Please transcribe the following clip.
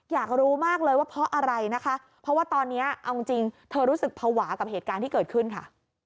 อยากรู้มากเลยว่าเพราะอะไรนะคะเพราะว่าตอนนี้เอาจริงเธอรู้สึกภาวะกับเหตุการณ์ที่เกิดขึ้นค่ะ